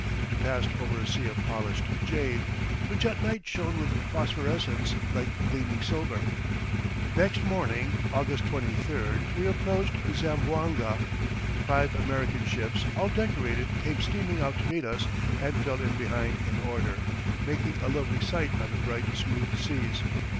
We passed over a sea of polished jade, which at night shone with phosphorescence like gleaming silver. Next morning, August 23d, we approached Zamboanga. Five American ships, all decorated, came steaming out to meet us and fell in behind in order, making a lovely sight on the bright, smooth seas.